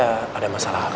ketika mereka bersama